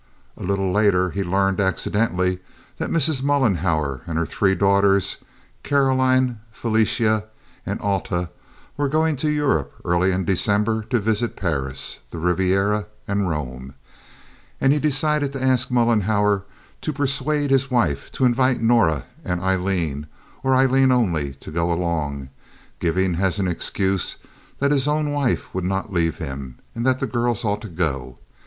A little later he learned accidentally that Mrs. Mollenhauer and her three daughters, Caroline, Felicia, and Alta, were going to Europe early in December to visit Paris, the Riviera, and Rome; and he decided to ask Mollenhauer to persuade his wife to invite Norah and Aileen, or Aileen only, to go along, giving as an excuse that his own wife would not leave him, and that the girls ought to go.